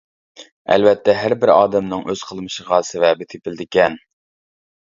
ئەلۋەتتە ھەربىر ئادەمنىڭ ئۆز قىلمىشىغا سەۋەبى تېپىلىدىكەن.